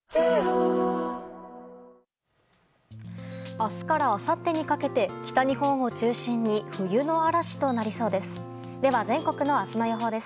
明日からあさってにかけて北日本を中心に冬の嵐となりそうです。